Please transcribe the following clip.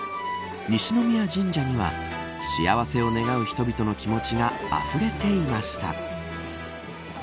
西宮神社には、幸せを願う人々の気持ちがあふれていました。